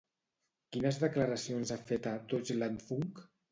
Quines declaracions ha fet a Deutschlandfunk?